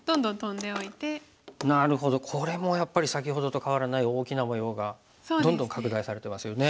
なるほどこれもやっぱり先ほどとかわらない大きな模様がどんどん拡大されてますよね。